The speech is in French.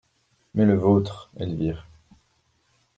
Mais le vôtre, Elvire?